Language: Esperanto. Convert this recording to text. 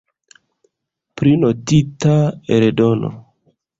Prinotita eldono.